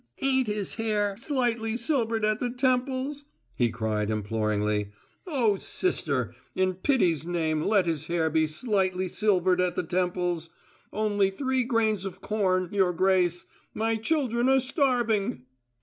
Ain't his hair slightly silvered at the temples?" he cried imploringly. "Oh, sister, in pity's name let his hair be slightly silvered at the temples? Only three grains of corn, your Grace; my children are starving!"